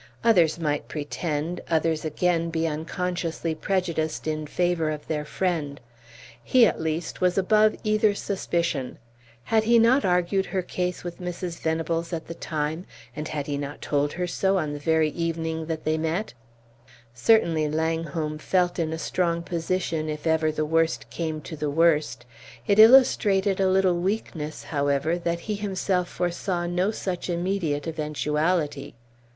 Others might pretend, others again be unconsciously prejudiced in favor of their friend; he at least was above either suspicion. Had he not argued her case with Mrs. Venables at the time, and had he not told her so on the very evening that they met? Certainly Langholm felt in a strong position, if ever the worst came to the worst; it illustrated a little weakness, however, that he himself foresaw no such immediate eventuality.